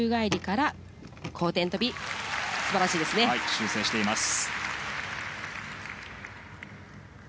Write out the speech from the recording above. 修正しています。